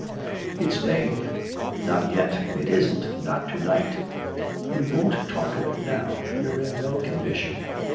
"It's made!" "Not yet, it isn't, not to night. We won't talk of it now, you're in no condition."